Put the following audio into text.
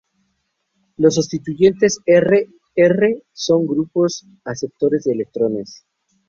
Los sustituyentes R, R son grupos aceptores de electrones.